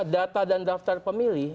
data dan daftar pemilih